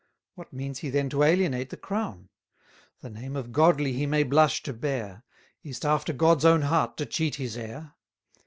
What means he then to alienate the crown? The name of godly he may blush to bear: Is't after God's own heart to cheat his heir?